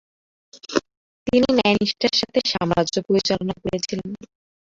তিনি ন্যায়নিষ্ঠার সাথে সাম্রাজ্য পরিচালনা করেছিলেন ।